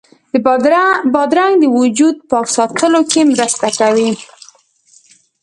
بادرنګ د وجود پاک ساتلو کې مرسته کوي.